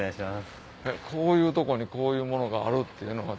こういうとこにこういうものがあるっていうのが。